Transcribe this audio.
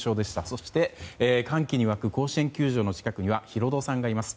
そして、歓喜に沸く甲子園球場の近くにはヒロドさんがいます。